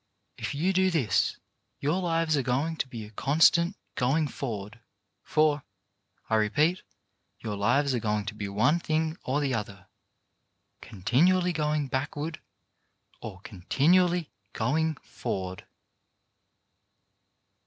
If you do this, your lives are going to be a constant going forward; for, I repeat, your lives are going to be one thing or the other, continually going backward or continually going forward.